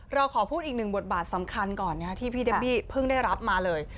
เราขอพูดอีกหนึ่งบทบาทสำคัญก่อนที่พี่เดมบี้เพิ่งได้รับมาเลย